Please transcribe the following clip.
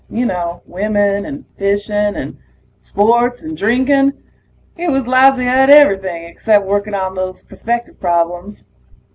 You know ... women and fishing and sports and drinking; he was lousy at everything except working those perspective problems.